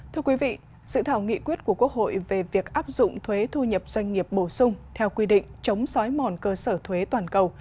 thưa quý vị sự thảo nghị quyết của quốc hội về việc áp dụng thuế thu nhập doanh nghiệp bổ sung theo quy định chống sói mòn cơ sở thuế toàn cầu